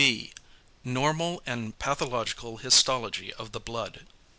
B. NORMAL AND PATHOLOGICAL HISTOLOGY OF THE BLOOD.